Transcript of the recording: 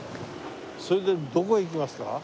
それでどこへ行きますか？